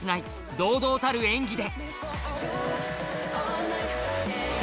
堂々たる演技で